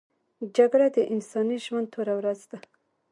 جګړه د انساني ژوند توره ورځ ده